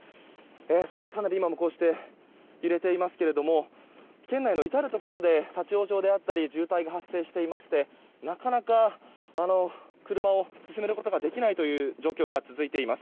そして、かなり今もこうして揺れていますけれども県内の至るところで立ち往生であったり渋滞が発生していましてなかなか車を進めることができないという状況が続いています。